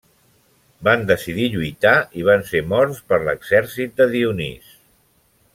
Van decidir lluitar i van ser morts per l'exèrcit de Dionís.